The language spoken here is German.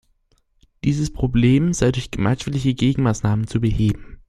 Dieses Problem sei durch gemeinschaftliche Gegenmaßnahmen zu beheben.